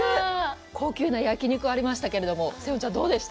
高級な焼き肉がありましたけれども、セヨンちゃん、どうでした？